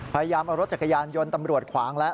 พยายามเอารถจักรยานยนต์ตำรวจขวางแล้ว